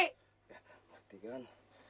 ya ngerti kang